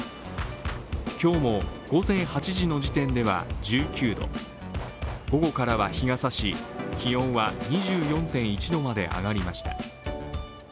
今日も午前８時の時点では１９度、午後からは日がさし、気温は２４．１度まで上がりました。